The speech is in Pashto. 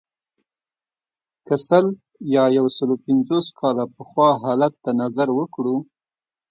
که سل یا یو سلو پنځوس کاله پخوا حالت ته نظر وکړو.